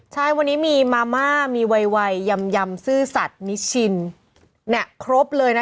ใช่วันนี้มีมาม่ามีวัยยำซื่อสัตว์นิชินเนี่ยครบเลยนะ